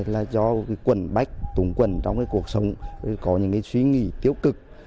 là do quần bách tùng quần trong cuộc sống có những suy nghĩ tiêu cực